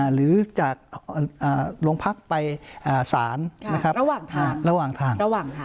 หรือจากหลวงพักไปสารระหว่างทาง